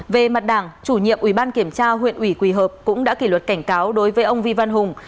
về mặt đảng chủ nhiệm ubnd huyện quỳ hợp cũng đã kỷ luật cảnh cáo đối với ông vy văn hùng